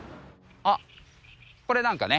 あっこれなんかね。